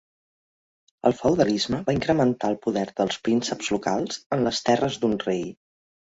El feudalisme va incrementar el poder dels prínceps locals en les terres d'un rei.